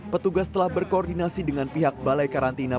petugas telah berkoordinasi dengan pihak balai karantina